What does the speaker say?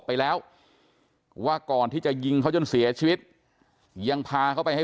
ไปแล้วว่าก่อนที่จะยิงเขาจนเสียชีวิตยังพาเขาไปให้